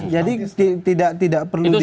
jadi tidak perlu di